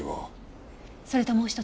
それともう一つ。